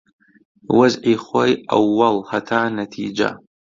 وەزعی خۆی ئەووەڵ، هەتا نەتیجە